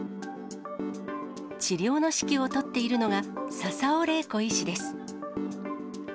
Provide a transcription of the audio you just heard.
治療の指揮を執っているのが、笹尾怜子医師です。